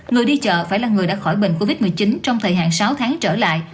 người đi chợ phải là người đã khỏi bệnh covid một mươi chín trong thời hạn sáu tháng trở lại